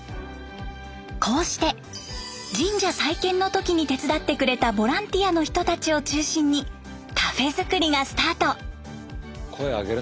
こうして神社再建の時に手伝ってくれたボランティアの人たちを中心にカフェ造りがスタート。